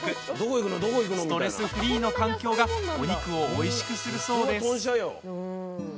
ストレスフリーの環境がお肉をおいしくするそうです。